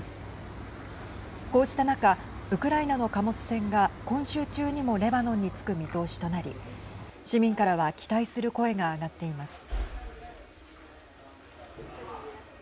こうした中ウクライナの貨物船が今週中にもレバノンに着く見通しとなり市民からは期待する声が上がっています。